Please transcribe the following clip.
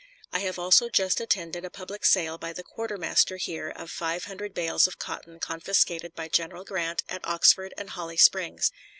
I have also just attended a public sale by the quartermaster here of five hundred bales of cotton confiscated by General Grant at Oxford and Holly Springs.